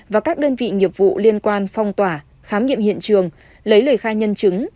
và các đơn vị nghiệp vụ liên quan phong tỏa khám nghiệm hiện trường lấy lời khai nhân chứng